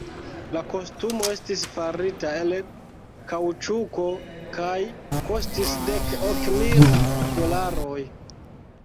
La kostumo estis farita el kaŭĉuko kaj kostis dek ok mil dolaroj.